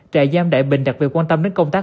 trại giam đại bình đặc biệt quan tâm đến công tác